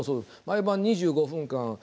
毎晩２５分間